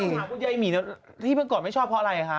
พี่ต้องถามว่ายายหมีที่เมื่อก่อนไม่ชอบเพราะอะไรค่ะ